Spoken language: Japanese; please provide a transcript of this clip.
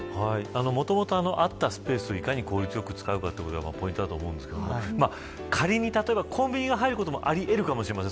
もともとあったスペースをいかに効率よく使うかということがポイントだと思うんですけど仮に、例えばコンビニが入ることもあり得るかもしれません。